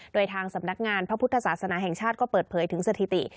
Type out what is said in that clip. โดยทางสำนักงานพระพุทธศาสนาแห่งชาติก็เปิดเผยถึงสถิติ